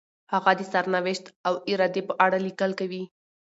هغه د سرنوشت او ارادې په اړه لیکل کوي.